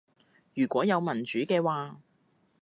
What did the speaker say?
如果有民主嘅話